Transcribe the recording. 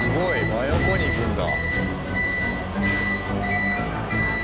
真横に行くんだ。